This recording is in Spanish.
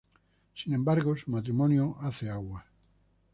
Sin embargo, su matrimonio hace aguas.